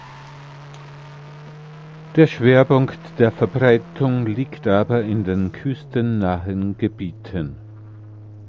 Der Schwerpunkt der Verbreitung liegt aber in den küstennahen Gebieten.